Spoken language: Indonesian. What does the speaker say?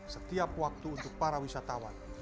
setiap waktu untuk para wisatawan